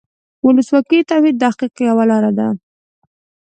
ولسواکي د توحید د تحقق یوه لاره ده.